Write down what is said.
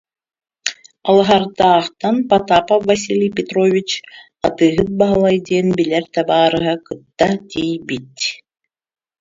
Алыһардаахтан Потапов Василий Петрович-Атыыһыт Баһылай диэн билэр табаарыһа кытта тиийбит